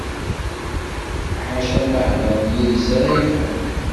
Ḥaca ma hedren yid-s ara yefhem.